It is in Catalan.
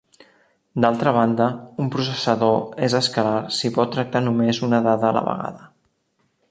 D'altra banda, un processador és escalar si pot tractar només una dada a la vegada.